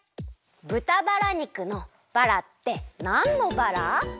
ぶたバラ肉のバラってなんのバラ？